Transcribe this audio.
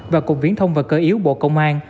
và cục viễn thông và cơ yếu bộ công an